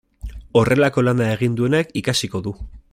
Horrelako lana egin duenak ikasiko du.